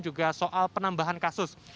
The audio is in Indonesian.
juga soal penambahan kasus